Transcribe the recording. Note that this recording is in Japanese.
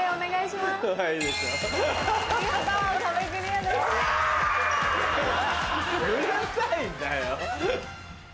うるさいんだよ。